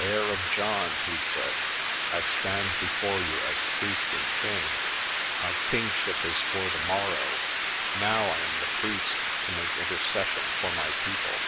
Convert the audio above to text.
"Heir of John," he said, "I stand before you as priest and king. My kingship is for the morrow. Now I am the priest to make intercession for my people."